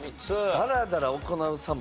ダラダラ行うさま？